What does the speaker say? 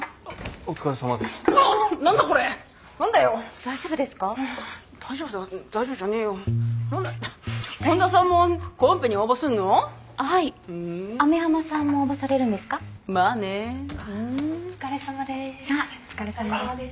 お疲れさまです。